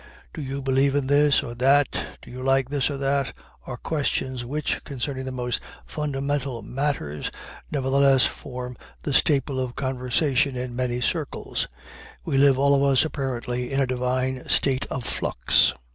Do you believe in this or that, do you like this or that, are questions which, concerning the most fundamental matters, nevertheless form the staple of conversation in many circles. We live all of us apparently in a divine state of flux.